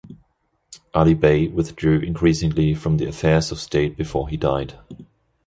Ali Bey withdrew increasingly from the affairs of state before he died.